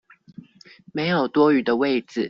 沒有多餘的位子